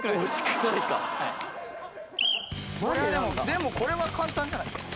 でもこれは簡単じゃないっすか？